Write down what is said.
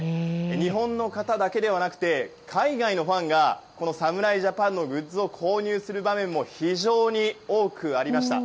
日本の方だけではなくて海外のファンが侍ジャパンのグッズを購入する場面も非常に多くありました。